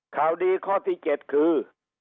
ข่าวดีข้อที่๗คือ